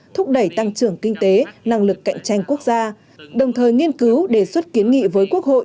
thị trường kinh tế năng lực cạnh tranh quốc gia đồng thời nghiên cứu đề xuất kiến nghị với quốc hội